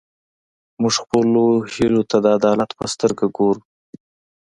موږ خپلو هیلو ته د عدالت په سترګه ګورو.